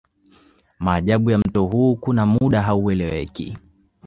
Maajabu ya mto huu kuna muda haueleweki